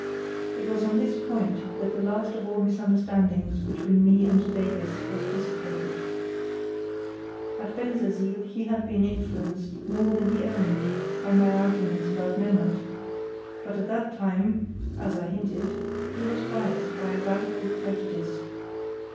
It was on this point that the last of all misunderstandings between me and Davies was dissipated. At Bensersiel he had been influenced more than he owned by my arguments about Memmert; but at that time (as I hinted) he was biased by a radical prejudice.